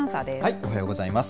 おはようございます。